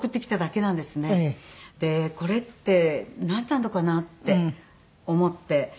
でこれってなんなのかなって思って。